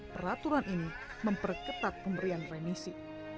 peraturan ini memperketat pemberian remisi